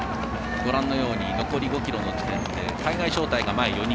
残り５ｋｍの地点で海外招待が前５人。